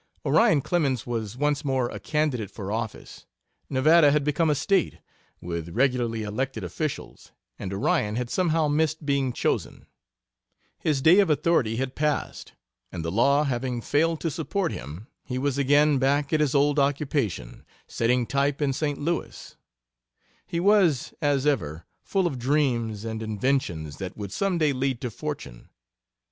Orion Clemens was once more a candidate for office: Nevada had become a State; with regularly elected officials, and Orion had somehow missed being chosen. His day of authority had passed, and the law having failed to support him, he was again back at his old occupation, setting type in St. Louis. He was, as ever, full of dreams and inventions that would some day lead to fortune.